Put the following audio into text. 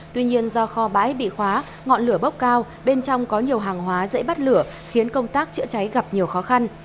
tuy nhiên do kho bãi bị khóa ngọn lửa bốc cao bên trong có nhiều hàng hóa dễ bắt lửa khiến công tác chữa cháy gặp nhiều khó khăn